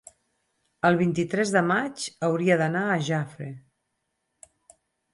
el vint-i-tres de maig hauria d'anar a Jafre.